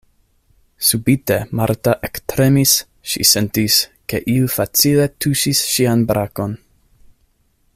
Subite Marta ektremis, ŝi sentis, ke iu facile tuŝis ŝian brakon.